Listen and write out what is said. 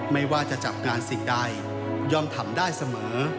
ไม่ว่าจะจับงานสิ่งใดย่อมทำได้เสมอ